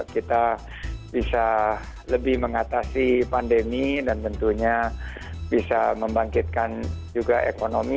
kita bisa lebih mengatasi pandemi dan tentunya bisa membangkitkan juga ekonomi